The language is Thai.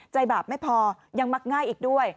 บาปไม่พอยังมักง่ายอีกด้วย